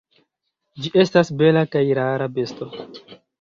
Ĝi estas bela kaj rara besto.